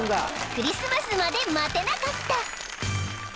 ［クリスマスまで待てなかった！］